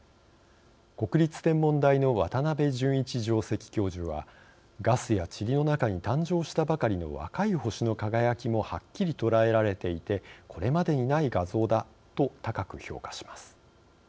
国立天文台の渡部潤一上席教授は「ガスやちりの中に誕生したばかりの若い星の輝きもはっきり捉えられていてこれまでにない画像だ」と高く評価します。